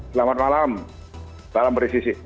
selamat malam salam presisi